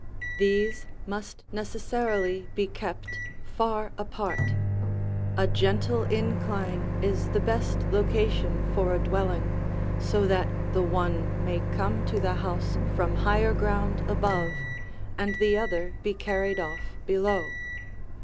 These must necessarily be kept far apart. A gentle incline is the best location for a dwelling, so that the one may come to the house from higher ground above, and the other be carried off below.